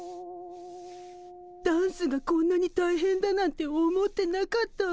ダンスがこんなにたいへんだなんて思ってなかったわ。